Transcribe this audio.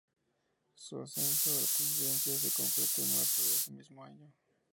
Su ascenso a la presidencia se concretó en marzo de ese mismo año.